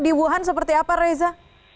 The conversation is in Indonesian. di wuhan seperti apa reza